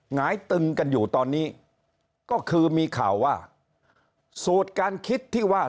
หงายตึงกันอยู่ตอนนี้ก็คือมีข่าวว่าสูตรการคิดที่ว่า